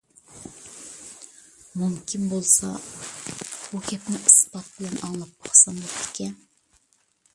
مۇمكىن بولسا، بۇ گەپنى ئىسپات بىلەن ئاڭلاپ باقسام بوپتىكەن.